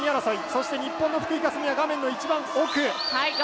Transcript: そして日本の福井香澄は画面の一番奥。